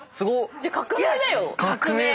じゃあ革命だよ！